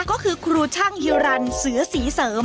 ก็คือครูช่างฮิวรรณเสือศรีเสริม